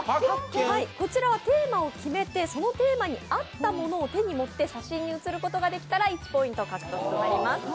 こちらはテーマを決め手そのテーマに合ったものを手に持って写真に写ることができたら１ポイント獲得となります。